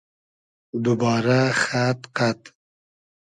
دوبارۂ خئد قئد